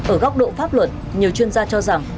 ở góc độ pháp luật nhiều chuyên gia cho rằng